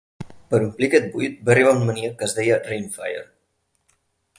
Per omplir aquest buit, va arribar un maníac que es deia Reignfire.